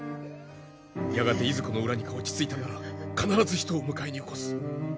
やがていずこの浦にか落ち着いたなら必ず人を迎えによこす。